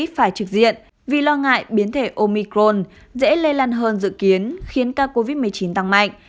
phải trực diện vì lo ngại biến thể omicron dễ lây lan hơn dự kiến khiến ca covid một mươi chín tăng mạnh